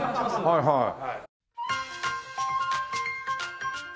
はいはい。